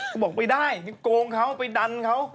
ก็บอกไม่ได้ไปโกงเขาไปดันเขา